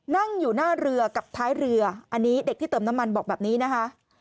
นั่งอยู่หน้าเรือกับท้ายเรืออันนี้เด็กที่เติมน้ำมันบอกแบบนี้นะคะ